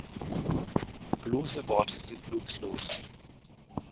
Bloße Worte sind nutzlos.